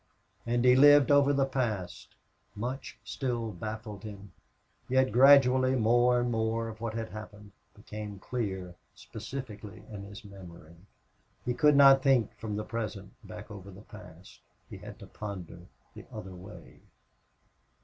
And he lived over the past. Much still baffled him, yet gradually more and more of what had happened became clear specifically in his memory. He could not think from the present back over the past. He had to ponder the other way.